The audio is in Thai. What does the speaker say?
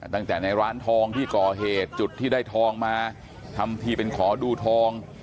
ตั้งแต่ในร้านทองที่ก่อเหตุจุดที่ได้ทองมาทำทีเป็นขอดูทอง